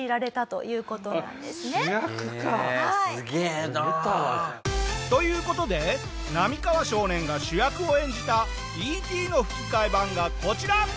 へえーすげえな！という事でナミカワ少年が主役を演じた『Ｅ．Ｔ．』の吹き替え版がこちら！